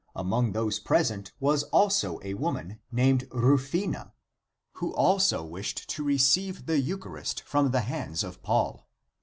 Among those present was also a woman, named Rufina, who also wished to receive the eucharist from the hands of Paul.